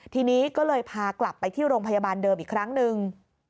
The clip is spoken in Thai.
ทีนี้ก็เลยพากลับไปที่โรงพยาบาลเดิมอีกครั้งหนึ่ง